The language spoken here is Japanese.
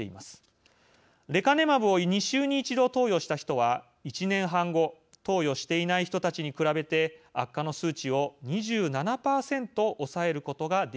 レカネマブを２週に一度投与した人は１年半後投与していない人たちに比べて悪化の数値を２７％抑えることができたということです。